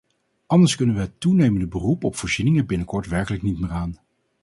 Anders kunnen we het toenemende beroep op voorzieningen binnenkort werkelijk niet meer aan.